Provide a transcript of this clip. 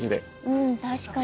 うん確かに。